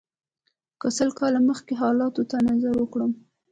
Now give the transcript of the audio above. که سل کاله مخکې حالاتو ته نظر وکړو.